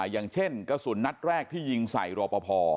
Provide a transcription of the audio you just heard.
อย่างเช่นกระสุนนัดแรกที่ยิงใส่รอปภ